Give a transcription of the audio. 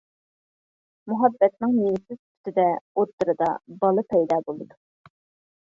مۇھەببەتنىڭ مېۋىسى سۈپىتىدە ئوتتۇرىدا بالا پەيدا بولىدۇ.